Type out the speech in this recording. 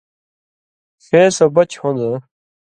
ݜے سو بچ ہُون٘دوۡ۔